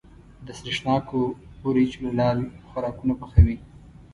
د سرېښناکو وريجو له لارې خوراکونه پخوي.